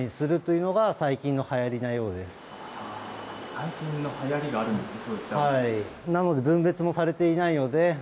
最近のはやりがあるんですね。